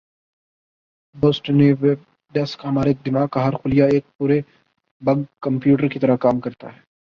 Boston Web desk ہمارے دماغ کا ہر خلیہ ایک پورےبگ کمپیوٹر کی طرح کام کرتا ہے